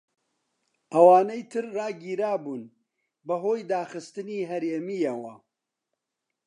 ئەوانەی تر ڕاگیرابوون بەهۆی داخستنی هەرێمیەوە.